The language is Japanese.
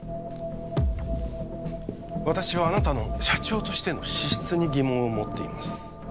私はあなたの社長としての資質に疑問を持っています